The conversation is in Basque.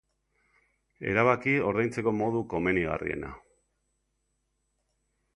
Erabaki ordaintzeko modu komenigarriena.